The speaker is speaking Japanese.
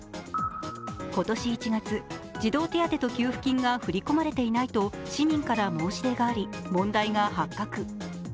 今年１月、児童手当と給付金が振り込まれていないと市民から申し出があり、問題が発覚